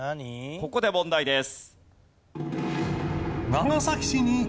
ここで問題です。